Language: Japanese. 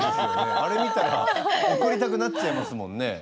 あれ見たら送りたくなっちゃいますもんね。